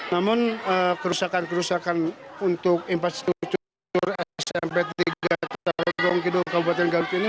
namun kerusakan kerusakan untuk infrastruktur smp tiga tanggong kidung kabupaten garut ini